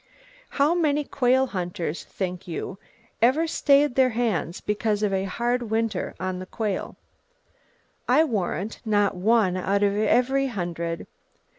How many quail hunters, think you, ever stayed their hands because of "a hard winter on the quail?" I warrant not one out of every hundred!